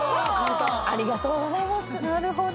ありがとうございます。